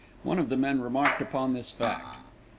One of the men remarked upon this fact.